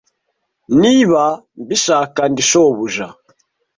niba mbishaka ndi shobuja